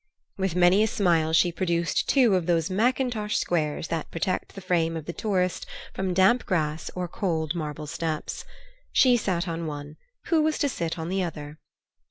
With many a smile she produced two of those mackintosh squares that protect the frame of the tourist from damp grass or cold marble steps. She sat on one; who was to sit on the other?